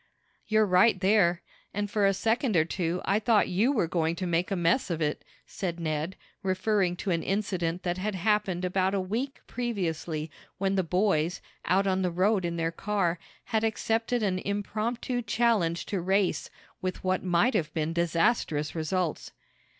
"You're right there. And, for a second or two, I thought you were going to make a mess of it," said Ned, referring to an incident that had happened about a week previously when the boys, out on the road in their car, had accepted an impromptu challenge to race, with what might have been disastrous results.